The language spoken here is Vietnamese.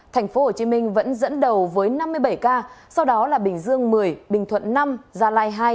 thành phố hồ chí minh vẫn dẫn đầu với năm mươi bảy ca sau đó là bình dương một mươi bình thuận năm gia lai hai